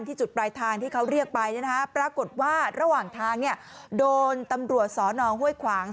จุดปลายทางที่เขาเรียกไปปรากฏว่าระหว่างทางโดนตำรวจสอนอห้วยขวาง